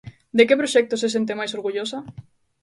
De que proxectos se sente máis orgullosa?